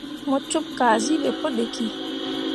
Mo cup kazi be pu ɗiki.